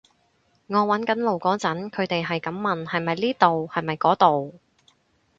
我搵緊路嗰陣，佢哋喺咁問係咪呢度係咪嗰度